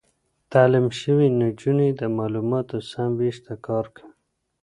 تعليم شوې نجونې د معلوماتو سم وېش ته کار کوي.